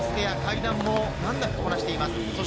階段も難なくこなしています。